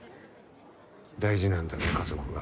大事なんだね家族が